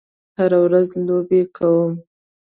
هره ورځ لوبې کوم